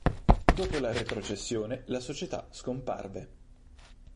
Dopo la retrocessione la società scomparve.